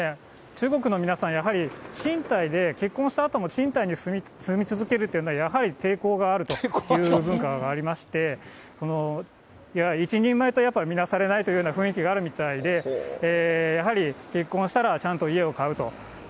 中国の皆さん、やはり賃貸で結婚したあとも、賃貸に住み続けるっていうのは、やはり抵抗があるという文化がありまして、一人前と見なされないという雰囲気があるみたいで、やはり、結婚したらちゃんと家を買うと。